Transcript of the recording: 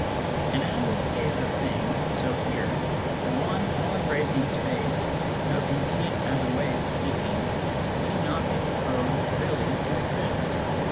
And as in the case of things, so here : the one all embracing space, though convenient as a way of speaking, need not be supposed really to exist.